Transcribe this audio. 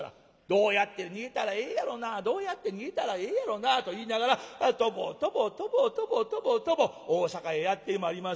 「どうやって逃げたらええやろなどうやって逃げたらええやろな」と言いながらとぼとぼとぼとぼとぼとぼ大坂へやって参ります。